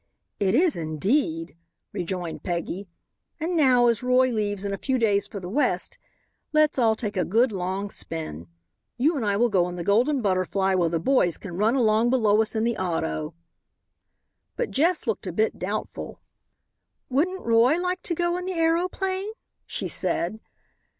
"It is, indeed," rejoined Peggy; "and now, as Roy leaves in a few days for the West, let's all take a good long spin. You and I will go in the Golden Butterfly while the boys can run along below us in the auto." But Jess looked a bit doubtful. "Wouldn't Roy like to go in the aeroplane?" she said.